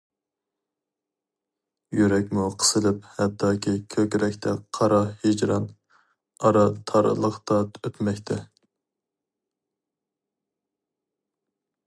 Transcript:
يۈرەكمۇ قىسىلىپ ھەتتاكى كۆكرەكتە قارا ھىجران ئارا تارلىقتا ئۆتمەكتە.